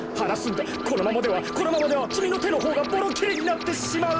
このままではこのままではきみのてのほうがボロきれになってしまう！